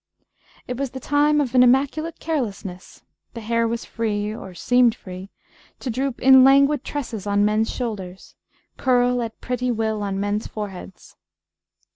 It was the time of an immaculate carelessness; the hair was free, or seemed free, to droop in languid tresses on men's shoulders, curl at pretty will on men's foreheads.